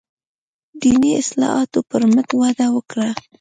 دیني اصلاحاتو پر مټ وده وکړه.